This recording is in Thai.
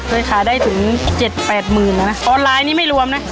ขายได้ถึงเจ็ดแปดหมื่นนะนะออนไลน์นี่ไม่รวมนะ